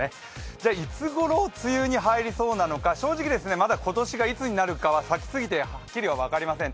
じゃ、いつごろ梅雨にはいりそうなのか、正直、まだ今年がいつになるかは先すぎて、はっきりは分かりません